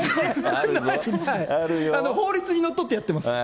法律にのっとってやってます。